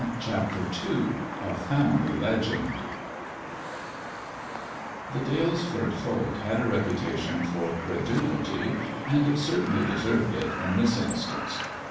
CHAPTER II A FAMILY LEGEND THE Dalesford folk had a reputation for credulity, and certainly deserved it in this instance.